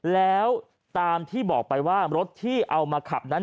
แล้วตามที่บอกไปว่ารถที่เอามาขับนั้น